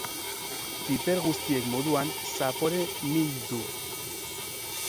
Piper guztiek moduan, zapore min du.